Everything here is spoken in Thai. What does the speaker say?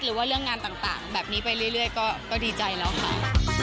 หรือว่าเรื่องงานต่างแบบนี้ไปเรื่อยก็ดีใจแล้วค่ะ